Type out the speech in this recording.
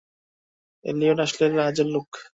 Elliot আসলে কাজের লোক।